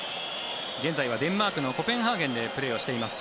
現在はデンマークのコペンハーゲンでプレーしています。